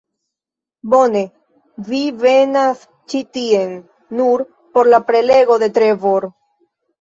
Bone, vi venas ĉi tien nur por la prelego de Trevor